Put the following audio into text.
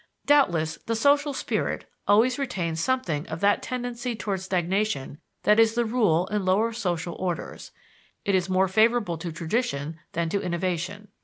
Doubtless, the social spirit always retains something of that tendency toward stagnation that is the rule in lower social orders; it is more favorable to tradition than to innovation.